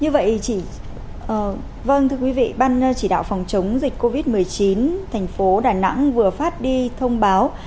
ban chỉ đạo phòng chống dịch covid một mươi chín thành phố đà nẵng vừa phát đi thông báo